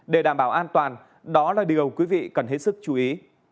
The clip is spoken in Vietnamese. để đảm bảo an toàn đó là điều quý vị cần hết sức chú ý